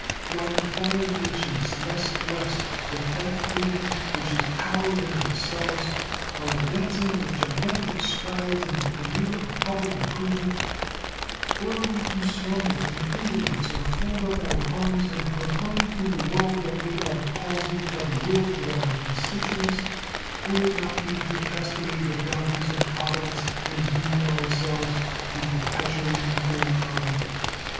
While foreign nations less blessed with that freedom which is power than ourselves are advancing with gigantic strides in the career of public improvement, were we to slumber in indolence or fold up our arms and proclaim to the world that we are palsied by the will of our constituents, would it not be to cast away the bounties of Providence and doom ourselves to perpetual inferiority?